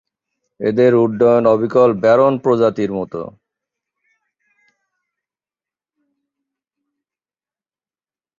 এদের উড্ডয়ন অবিকল ব্যারন প্রজাতির মত।